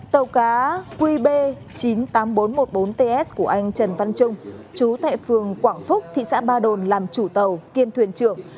tàu cá qb chín mươi tám nghìn bốn trăm một mươi bốn ts của anh trần văn trung chú thệ phường quảng phúc thị xã ba đồn làm chủ tàu kiêm thuyền trưởng